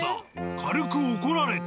軽く怒られた。